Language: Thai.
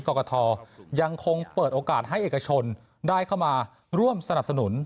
กรกฐยังคงเปิดโอกาสให้เอกชนได้เข้ามาร่วมสนับสนุน